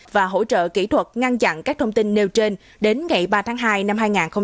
và hỗ trợ kỹ thuật ngăn chặn các thông tin nêu trên đến ngày ba tháng hai năm hai nghìn hai mươi